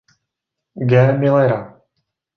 G. Millera.